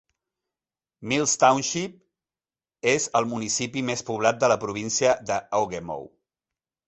Mills Township és el municipi més poblat de la província de Ogemaw.